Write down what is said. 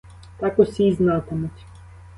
Так усі й знатимуть.